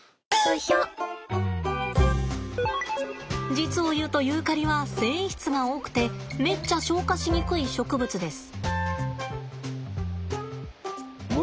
実を言うとユーカリは繊維質が多くてめっちゃ消化しにくい植物です。